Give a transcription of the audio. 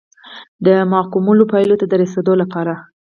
دا معقولو پایلو ته د رسیدو لپاره دی.